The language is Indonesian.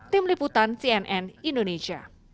tim liputan cnn indonesia